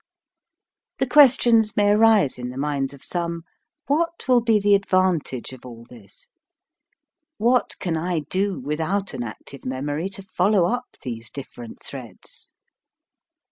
The questions may arise in the minds of some, "What will be the ad vantage of all this?" "What can I do without an active memory to follow up these different threads?"